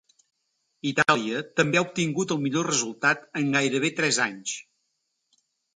Itàlia també ha obtingut el millor resultat en gairebé tres anys.